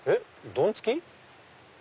どん突き？